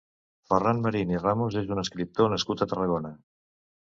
Ferran Marín i Ramos és un escriptor nascut a Tarragona.